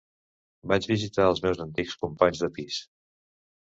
Vaig visitar els meus antics companys de pis.